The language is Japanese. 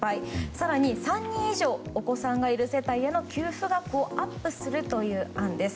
更に、３人以上お子さんがいる世帯への給付額をアップするという案です。